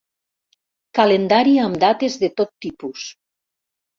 Calendari amb dates de tot tipus.